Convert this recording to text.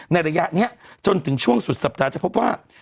ระยะนี้จนถึงช่วงสุดสัปดาห์จะพบว่า